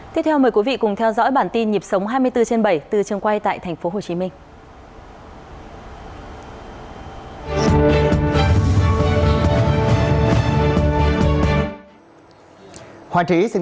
tiếp theo mời quý vị cùng theo dõi bản tin nhịp sống hai mươi bốn trên bảy từ trường quay tại thành phố hồ chí minh